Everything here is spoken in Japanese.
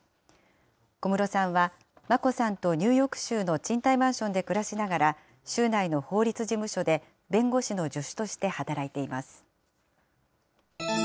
小室さんは、眞子さんとニューヨーク州の賃貸マンションで暮らしながら、州内の法律事務所で弁護士の助手として働いています。